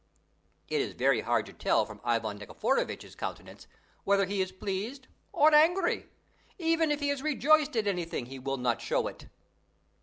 It is very hard to tell from Ivan Nikiforovitch's countenance whether he is pleased or angry; even if he is rejoiced at anything, he will not show it.